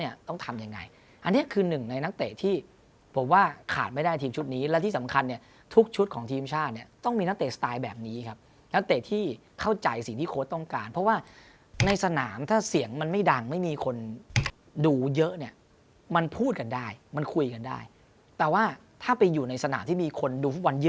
ต้องทำยังไงอันนี้คือหนึ่งในนักเตะที่ผมว่าขาดไม่ได้ทีมชุดนี้และที่สำคัญเนี่ยทุกชุดของทีมชาติเนี่ยต้องมีนักเตะสไตล์แบบนี้ครับนักเตะที่เข้าใจสิ่งที่โค้ดต้องการเพราะว่าในสนามถ้าเสียงมันไม่ดังไม่มีคนดูเยอะเนี่ยมันพูดกันได้มันคุยกันได้แต่ว่าถ้าไปอยู่ในสนามที่มีคนดูฟุตบอลเยอะ